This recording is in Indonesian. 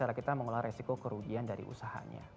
karena kita mengolah resiko kerugian dari usahanya